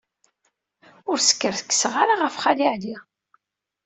Ur skerkseɣ ara ɣef Xali Ɛli.